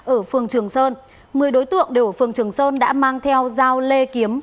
ở phường trường sơn một mươi đối tượng đều ở phường trường sơn đã mang theo dao lê kiếm